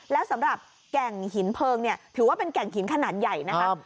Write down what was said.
แล้วสำหรับแก่งหินเพลิงเนี่ยถือว่าเป็นแก่งหินขนาดใหญ่นะคะ